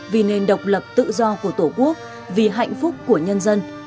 vì nền độc lập tự do của tổ quốc vì hạnh phúc của nhân dân